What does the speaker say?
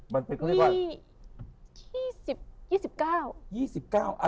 มันเป็นเขาเรียกว่า